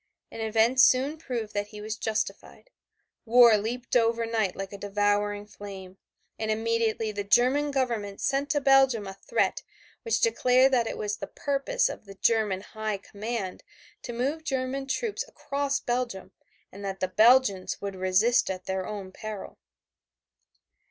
And events soon proved that he was justified. War leaped up over night like a devouring flame, and immediately the German Government sent to Belgium a threat which declared that it was the purpose of the German High Command to move German troops across Belgium, and that the Belgians would resist at their own peril.